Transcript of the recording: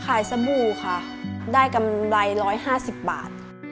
สบู่ค่ะได้กำไร๑๕๐บาท